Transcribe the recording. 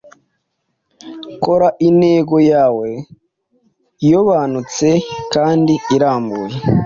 Kora intego yawe iobanute kandi irambuye